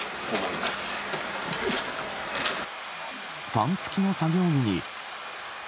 ファン付きの作業着に。